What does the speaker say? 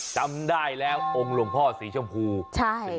จำได้แล้วองค์หลวงพ่อสีชมพูใช่